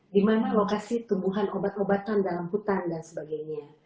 dimana lokasi tumbuhan obat obatan dalam hutan dan sebagainya